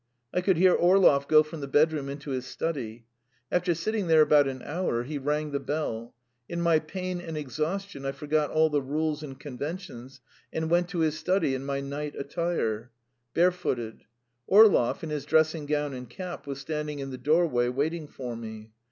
I could hear Orlov go from the bedroom into his study. After sitting there about an hour, he rang the bell. In my pain and exhaustion I forgot all the rules and conventions, and went to his study in my night attire, barefooted. Orlov, in his dressing gown and cap, was standing in the doorway, waiting for me.